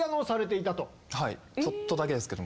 ちょっとだけですけど。